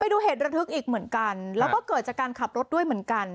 ดูเหตุระทึกอีกเหมือนกันแล้วก็เกิดจากการขับรถด้วยเหมือนกัน